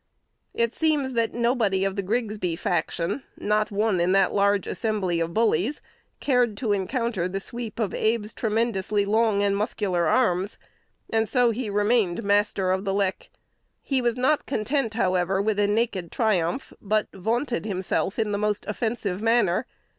It seems that nobody of the Grigsby faction, not one in that large assembly of bullies, cared to encounter the sweep of Abe's tremendously long and muscular arms; and so he remained master of the "lick." He was not content, however, with a naked triumph, but vaunted himself in the most offensive manner.